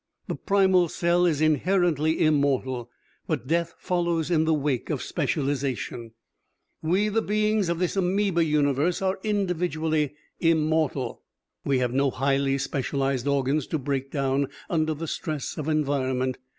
The primal cell is inherently immortal, but death follows in the wake of specialization. "We, the beings of this amoeba universe, are individually immortal. We have no highly specialized organs to break down under the stress of environment.